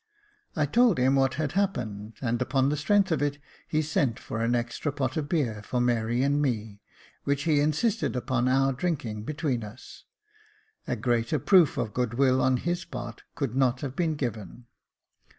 I told him what had happened, and upon the strength of it he sent for an extra pot of beer for Mary and me, which he insisted upon our drinking 220 Jacob Faithful between us — a greater proof of good will on his part could not have been given.